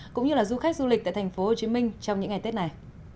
cũng như là du khách du lịch tại tp hcm trong những ngày tết này